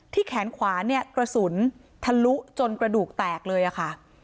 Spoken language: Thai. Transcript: แขนขวาเนี่ยกระสุนทะลุจนกระดูกแตกเลยค่ะ